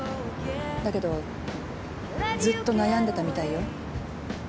だけどずっと悩んでたみたいよ。